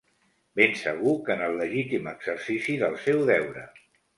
Ben segur que en el legítim exercici del seu deure.